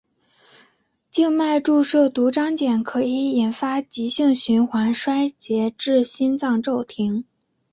静脉注射毒蕈碱可以引发急性循环衰竭至心脏骤停。